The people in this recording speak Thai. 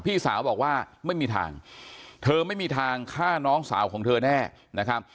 พี่สาวบอกว่าไม่มีทางเธอไม่มีทางฆ่าน้องสาวของเธอแน่นะครับ